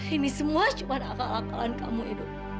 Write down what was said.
ini semua cuma akal akalan kamu hidup